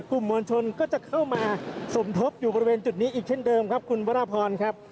มวลชนก็จะเข้ามาสมทบอยู่บริเวณจุดนี้อีกเช่นเดิมครับคุณพระราพรครับ